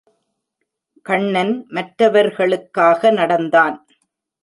கண்ணன் மற்றவர்களுக்காக நடந்தான்.